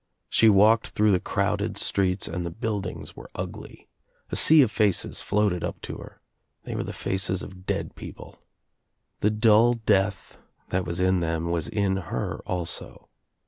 She walked through the crowded streets and the buildings were ugly. A sea of faces floated up to her. They were the faces of dead people. The dull death that was in them was in her also.